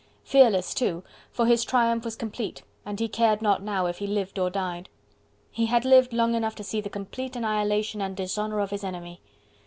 Fearless, too, for his triumph was complete, and he cared not now if he lived or died. He had lived long enough to see the complete annihilation and dishonour of his enemy.